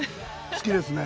好きですね。